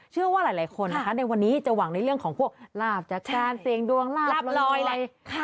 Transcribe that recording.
เชื่อว่าหลายคนนะคะในวันนี้จะหวังในเรื่องของพวกลาบจากการเสี่ยงดวงลาบลอยอะไร